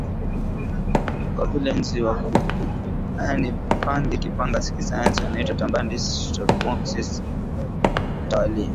kama vile nzi wa kuuma yaani pange kipanga kisayansi wanaitwa Tabanids na Stomoxys mtawalia